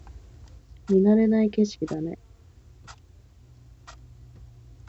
見慣れない景色だね